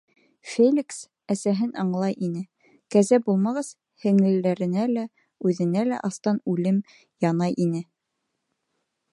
Феликс әсәһен аңлай ине, кәзә булмағас, һеңлеләренә лә, үҙенә лә астан үлем янай ине.